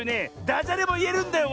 ダジャレもいえるんだよ